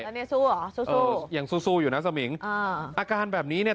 แล้วนี่สู้เหรอสู้อยู่นะสมิงอาการแบบนี้เนี่ย